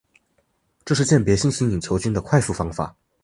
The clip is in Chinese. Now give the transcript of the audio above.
这是鉴别新型隐球菌的快速方法。